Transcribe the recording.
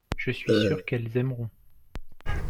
je suis sûr qu'elles aimeront.